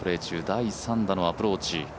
第３打のアプローチ。